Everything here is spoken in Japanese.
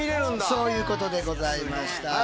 そういうことでございました。